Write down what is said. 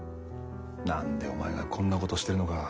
何でお前がこんなことしてるのか知りたくてな。